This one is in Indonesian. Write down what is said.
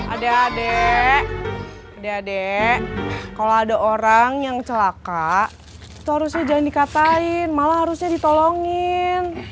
adek adek adek adek kalau ada orang yang celaka terusnya jangan dikatain malah harusnya ditolongin